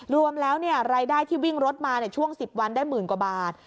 รวมแล้วรายได้ที่วิ่งรถมาช่วง๑๐วันได้หมื่นกว่าบาท